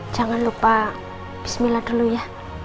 jangan lupa bismillah dulu ya